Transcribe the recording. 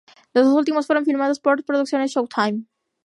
Los dos últimos fueron filmados por las producciones Showtime.